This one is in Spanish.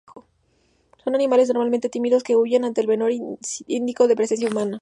Son animales normalmente tímidos que huyen ante el menor indicio de presencia humana.